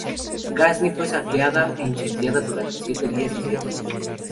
Gazni fue saqueada e incendiada durante siete días y siete noches.